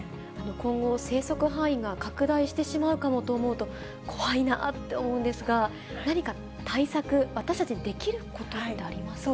今後、生息範囲が拡大してしまうかもと思うと、怖いなーって思うんですが、何か対策、私たちにできることってありますか？